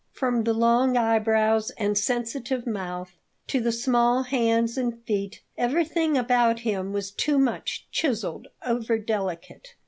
From the long eyebrows and sensitive mouth to the small hands and feet, everything about him was too much chiseled, overdelicate.